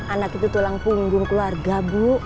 anak itu tulang punggung keluarga bu